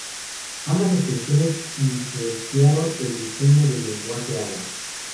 Ambas extensiones influenciaron el diseño del lenguaje Ada.